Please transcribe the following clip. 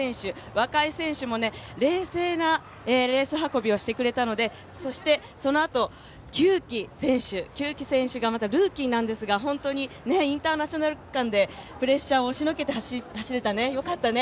若井選手も冷静なレース運びをしてくれたので、そのあと久木選手、久木選手がまだルーキーなんですがインターナショナル区間でプレッシャーを押しのけて走れたね、よかったね。